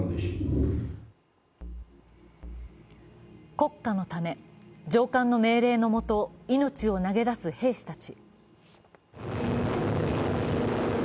国家のため、上官の命令のもと命を投げ出す兵士たち。